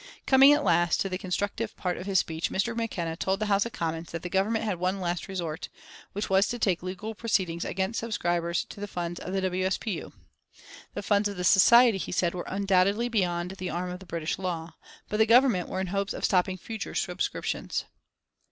Coming at last to the constructive part of his speech Mr. McKenna told the House of Commons that the Government had one last resort, which was to take legal proceedings against subscribers to the funds of the W. S. P. U. The funds of the society, he said, were undoubtedly beyond the arm of the British law. But the Government were in hopes of stopping future subscriptions.